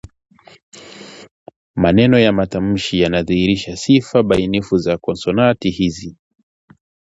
Maeneo ya matamshi yanadhihirisha sifa bainifu za konsonanti hizi